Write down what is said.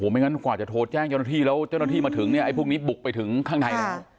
ไม่งั้นกว่าจะโทรแจ้งเจ้าหน้าที่แล้วเจ้าหน้าที่มาถึงเนี่ยไอ้พวกนี้บุกไปถึงข้างใน